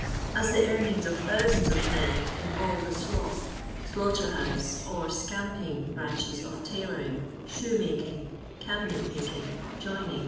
As the earnings of thou sands of men, in all the slop, slaughter house," or " scamping " branches of tailoring, shoe making, cabinet making, joining, &c.